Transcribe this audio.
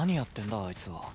あいつは。